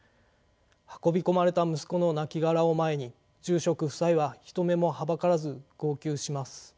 運び込まれた息子のなきがらを前に住職夫妻は人目もはばからず号泣します。